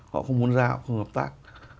họ không muốn ra họ không hợp tác